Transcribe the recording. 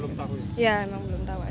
emang belum tahu ya